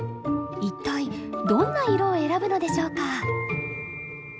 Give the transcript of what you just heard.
一体どんな色を選ぶのでしょうか？